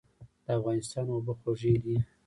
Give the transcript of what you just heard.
د افغانستان اوبه خوږې دي